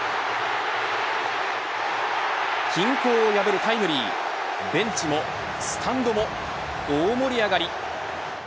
均衡を破るタイムリーベンチもスタンドも大盛り上がり。